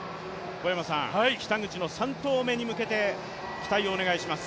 北口の３投目に向けて期待をお願いします。